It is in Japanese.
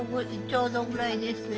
ちょうどぐらいですか。